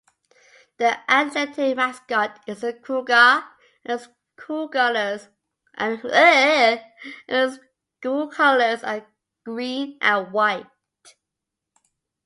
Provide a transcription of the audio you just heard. The athletic mascot is the Cougar, and the school colors are green and white.